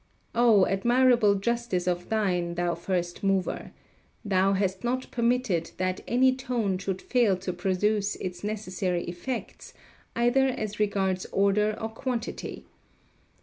Oh, admirable justice of thine, thou first mover! thou hast not permitted that any tone should fail to produce its necessary effects, either as regards order or quantity.